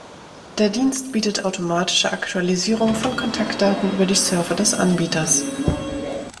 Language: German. Der Dienst bietet automatische Aktualisierung von Kontaktdaten über die Server des Anbieters.